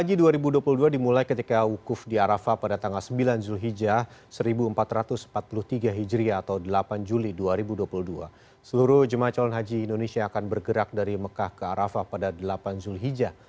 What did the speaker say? jemaah calon haji indonesia akan bergerak dari mekah ke arafah pada delapan juli hija